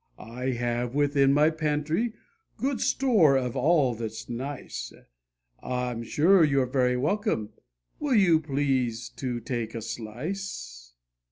I have, within my pantry, good store of all that's nice ; I'm sure you're very welcome will you please to take a slice